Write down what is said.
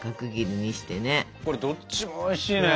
これどっちもおいしいね。